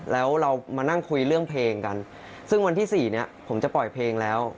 แล้วเรามานั่งคุยเรื่องเพลงกันซึ่งวันที่สี่เนี้ยผมจะปล่อยเพลงแล้ว